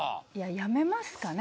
やめますかね